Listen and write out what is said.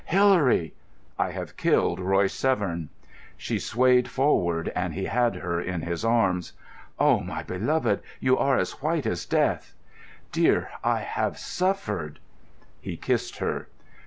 "Hilary!" "I have killed Royce Severn." She swayed forward, and he had her in his arms. "Oh, my beloved, you are as white as death." "Dear, I have suffered." He kissed her.